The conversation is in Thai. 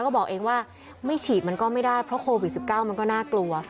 ก็บอกเองว่าไม่ฉีดมันก็ไม่ได้เพราะโควิด๑๙มันก็น่ากลัว